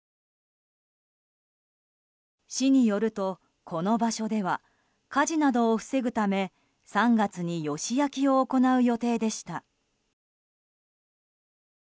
市によると、この場所では火事などを防ぐため３月にヨシ焼きを行う予定でした。